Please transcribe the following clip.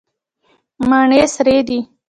مڼې سرې دي.